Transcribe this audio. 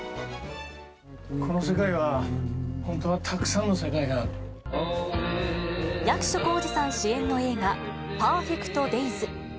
この世界は本当はたくさんの役所広司さん主演の映画、パーフェクト・デイズ。